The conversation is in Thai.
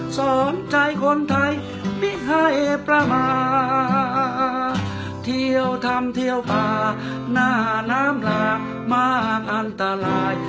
สมใจคนไทยมีใครปรมะเที่ยวทำเที่ยวป่านาน้ำลางมากอันตราย